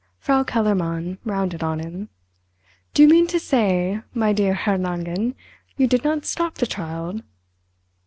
Frau Kellermann rounded on him. "Do you mean to say, my dear Herr Langen, you did not stop the child!"